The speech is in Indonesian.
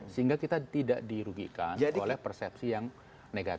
sehingga kita tidak dirugikan oleh persepsi yang negatif